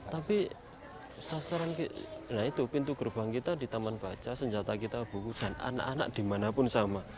tapi sasaran nah itu pintu gerbang kita di taman baca senjata kita buku dan anak anak dimanapun sama